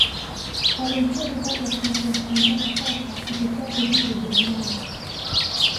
Aliishia kukatwa kichwa na mpaka sasa kichwa chake kipo ujerumani